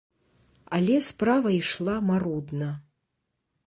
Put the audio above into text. Але справа ішла марудна.